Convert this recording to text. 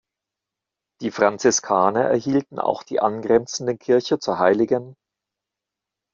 Die Franziskaner erhielten auch die angrenzende Kirche zur hl.